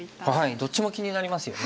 どっちも気になりますよね。